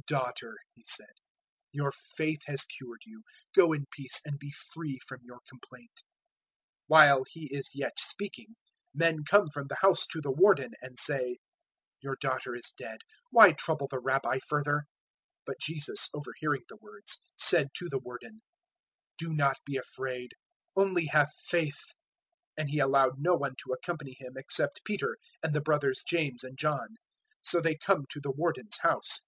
005:034 "Daughter," He said, "your faith has cured you: go in peace, and be free from your complaint." 005:035 While He is yet speaking, men come from the house to the Warden, and say, "Your daughter is dead: why trouble the Rabbi further?" 005:036 But Jesus, overhearing the words, said to the Warden, "Do not be afraid; only have faith." 005:037 And He allowed no one to accompany Him except Peter and the brothers James and John. 005:038 So they come to the Warden's house.